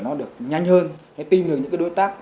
nó được nhanh hơn tìm được những đối tác